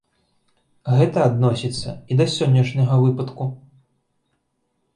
Гэта адносіцца і да сённяшняга выпадку.